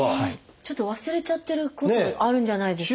ちょっと忘れちゃってることもあるんじゃないですか？